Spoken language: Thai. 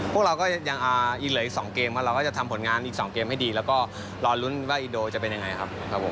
พวกเราก็ยังอีเหลืออีก๒เกมว่าเราก็จะทำผลงานอีก๒เกมให้ดีแล้วก็รอลุ้นว่าอินโดจะเป็นยังไงครับผม